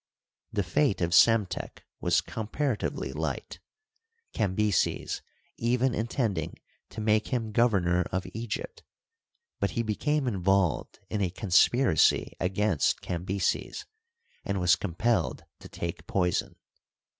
The fate of Psemtek was comparatively light, Cambyses even intending to make him governor of Egypt, but he became involved in a conspiracy against Cambyses, and w^ compelled to take poison.